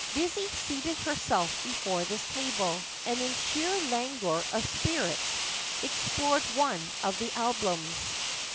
Lizzie seated herself before this table, and in sheer languor of spirits explored one of the albums.